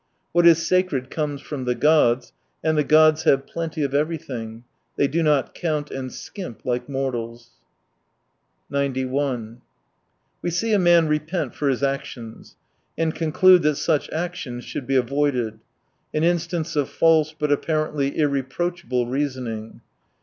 What is sacred comes from the gods, and the gods have plenty of everything, they do not count and skimp, like mortals. 91 We see a man repent for his actions, and conclude that such actions should be avoided : an instance of false, but apparently irreproachable reasoning.